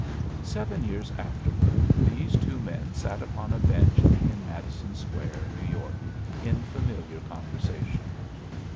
Seven years afterward these two men sat upon a bench in Madison Square, New York, in familiar conversation.